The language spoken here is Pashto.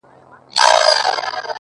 زه!!